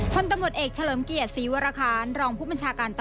โดยย้ำว่าให้ทำอย่างโปร่งใสแล้วก็เป็นธรรม